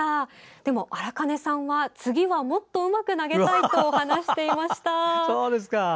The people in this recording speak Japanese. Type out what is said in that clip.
でも荒金さんは、次はもっとうまく投げたいと話していました。